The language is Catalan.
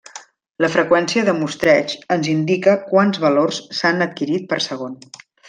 La freqüència de mostreig ens indica quants valors s'han adquirit per segon.